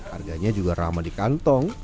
harganya juga ramah di kantong